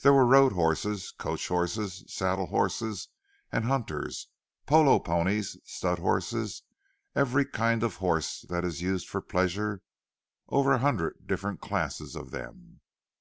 There were road horses, coach horses, saddle horses and hunters, polo ponies, stud horses—every kind of horse that is used for pleasure, over a hundred different "classes" of them.